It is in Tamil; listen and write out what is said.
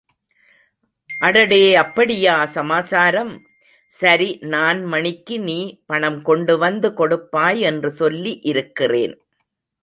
அடடே அப்படியா சமாசாரம்.... சரி நான் மணிக்கு நீ பணம் கொண்டு வந்து கொடுப்பாய் என்று சொல்லி இருக்கிறேன்.